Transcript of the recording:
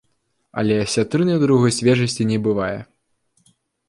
Але асятрыны другой свежасці не бывае.